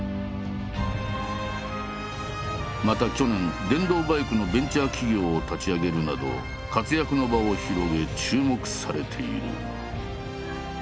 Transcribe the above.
また去年電動バイクのベンチャー企業を立ち上げるなど活躍の場を広げ注目されている。